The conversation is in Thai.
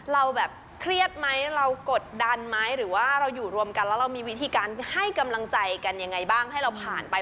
เราแบบเครียดไหมเรากดดันไหมหรือว่าเราอยู่รวมกันแล้วเรามีวิธีการให้กำลังใจกันยังไงบ้างให้เราผ่านไป